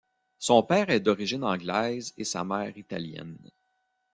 Son père est d’origine anglaise et sa mère italienne.